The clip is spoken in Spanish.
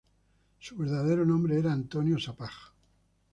Su verdadero nombre era Antonio Sapag.